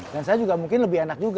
dan saya juga mungkin lebih enak juga